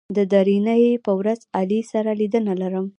د درېنۍ په ورځ علي سره لیدنه لرم